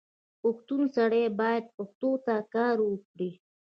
پښتون سړی باید پښتو ته کار وکړي.